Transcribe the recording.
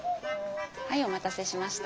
はいお待たせしました。